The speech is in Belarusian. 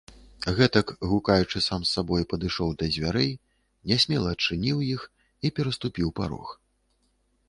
Гэтак, гукаючы сам з сабой, падышоў да дзвярэй, нясмела адчыніў іх і пераступіў парог.